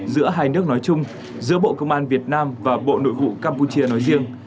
giữa hai nước nói chung giữa bộ công an việt nam và bộ nội vụ campuchia nói riêng